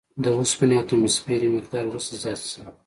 د اوسپنې اتوموسفیري مقدار وروسته زیات شوی.